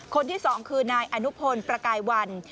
คนที่๒คือนายอนุพลประกายวัน